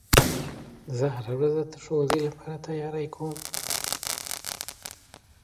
زه هره ورځ د ښوونځی لپاره تياری کوم؟